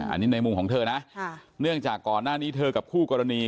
อันนี้ในมุมของเธอนะเนื่องจากก่อนหน้านี้เธอกับคู่กรณี